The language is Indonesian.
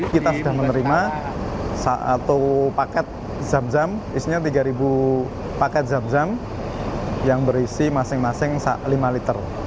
kita sudah menerima satu paket zam zam isinya tiga paket zam zam yang berisi masing masing lima liter